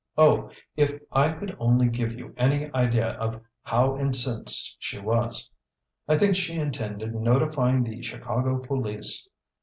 Oh, if I could only give you any idea of how incensed she was! I think she intended notifying the Chicago police.